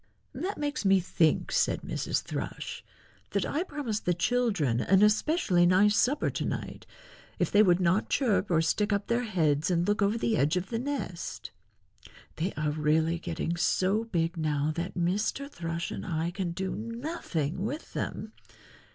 "That makes me think," said Mrs. Thrush, "that I promised the children an especially nice supper to night if they would not chirp or stick up their heads and look over the edge of the nest. They are really getting so big now that Mr. Thrush and I can do nothing with them.